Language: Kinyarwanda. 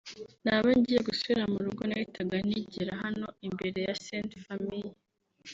naba ngiye gusubira mu rugo nahitaga ntegera hano imbere ya St Famille